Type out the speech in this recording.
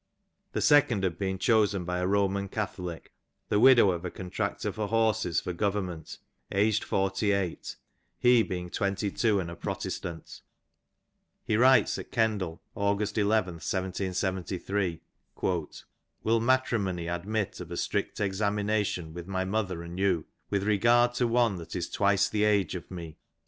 The second had been chosen by a Roman Catholic, the widow of a contractor for horses for government, aged forty eight, he being twenty two and a Protestant. He writes at Kendal, August llth 1773 :" Will ma 54 ON THE SOUTH LANCASHIRE DIALECT. " triraony admit of a strict examination with my mother and you, ^' with regard to one that is twice the age of me